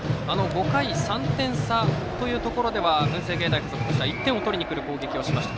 ５回、３点差というところでは文星芸大付属は１点を取りにいく攻撃をしました。